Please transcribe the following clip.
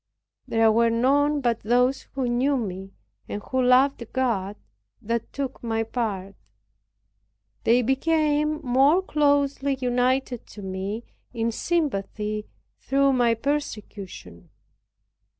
There were none but those who knew me, and who loved God, that took my part. They became more closely united to me in sympathy through my persecution.